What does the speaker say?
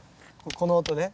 この音ね。